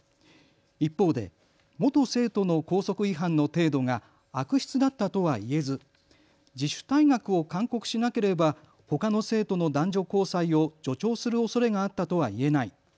一方で元生徒の校則違反の程度が悪質だったとはいえず自主退学を勧告しなければほかの生徒の男女交際を助長するおそれがあったとはいえない。